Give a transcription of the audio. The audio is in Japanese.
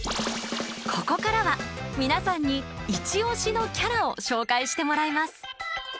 ここからは皆さんにイチ推しのキャラを紹介してもらいます！